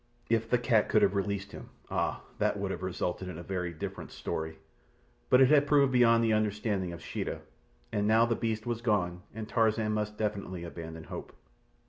If the cat could have released him! Ah! that would have resulted in a very different story; but it had proved beyond the understanding of Sheeta, and now the beast was gone and Tarzan must definitely abandon hope.